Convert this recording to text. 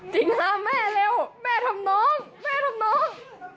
จริงหาแม่เร็วแม่ทำน้องแม่ทำน้อง